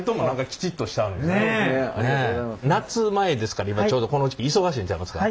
ねえ！夏前ですから今ちょうどこの時期忙しいんちゃいますか？